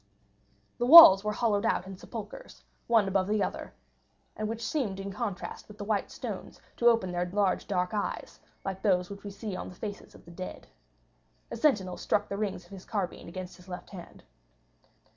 The walls were hollowed out in sepulchres, one above the other, and which seemed in contrast with the white stones to open their large dark eyes, like those which we see on the faces of the dead. A sentinel struck the rings of his carbine against his left hand.